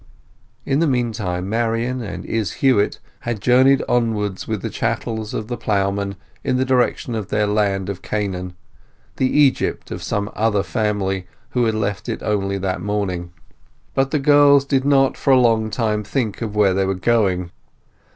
In the meantime Marian and Izz Huett had journeyed onward with the chattels of the ploughman in the direction of their land of Canaan—the Egypt of some other family who had left it only that morning. But the girls did not for a long time think of where they were going.